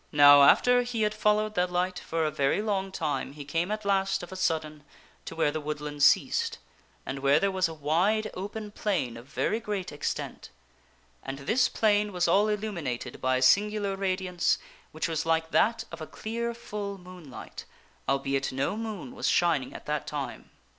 Now after he had followed the light for a very long time he came at last, of a sudden, to where the woodland ceased, and where there was a wide, open plain of very great extent. And this plain was all illuminated SIR GAWAINE PARTS FROM SIR PELLIAS 277 by a singular radiance which was like that of a clear full moonlight, albeit no moon was shining at that time.